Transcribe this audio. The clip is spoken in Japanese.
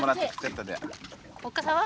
おっかさんは？